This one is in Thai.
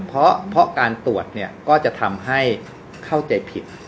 เพราะการตรวจเนี่ยก็จะทำให้เข้าใจผิด